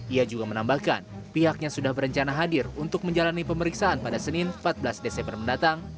ia juga menambahkan pihaknya sudah berencana hadir untuk menjalani pemeriksaan pada senin empat belas desember mendatang